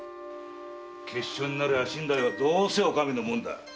闕所になりゃ身代はどうせお上のもんだ。